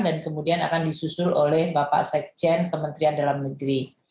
dan kemudian akan disusul oleh bapak sekjen kementerian dalam negeri